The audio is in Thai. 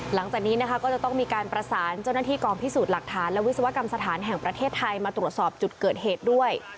หลังจากนี้นะคะก็จะต้องมีการประสานเจ้าหน้าที่กองพิสูจน์หลักฐานและวิศวกรรมสถานแห่งประเทศไทยมาตรวจสอบจุดเกิดเหตุด้วย